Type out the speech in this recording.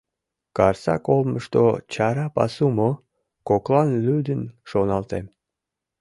Карсак олмышто чара пасу мо?» — коклан лӱдын шоналтем.